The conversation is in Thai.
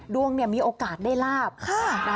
ดวงเนี่ยมีโอกาสได้ลาบนะคะ